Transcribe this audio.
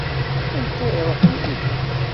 Anta i iṛuḥen yid-k?